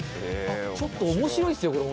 ちょっと面白いですよ